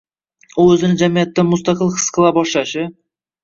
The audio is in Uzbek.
u o‘zini jamiyatdan mustaqil his qila boshlashi